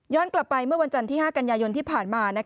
กลับไปเมื่อวันจันทร์ที่๕กันยายนที่ผ่านมา